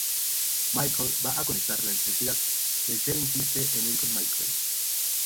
Michael va a conectar la electricidad; Lechero insiste en ir con Michael.